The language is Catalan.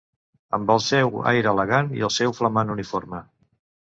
Amb el seu aire elegant i el seu flamant uniforme.